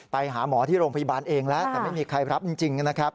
ไปหาหมอที่โรงพยาบาลเองแล้วแต่ไม่มีใครรับจริงนะครับ